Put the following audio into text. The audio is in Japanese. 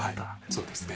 そうですね。